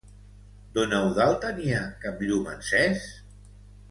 Don Eudald tenia cap llum encès?